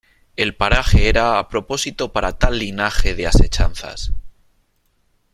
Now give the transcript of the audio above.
el paraje era a propósito para tal linaje de asechanzas :